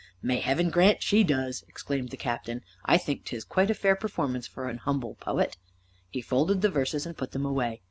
"May Heaven grant she does!" exclaimed the Captain. "I think 'tis quite a fair performance for an humble poet." He folded the verses and put them away.